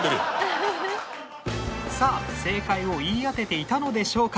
さあ正解を言い当てていたのでしょうか？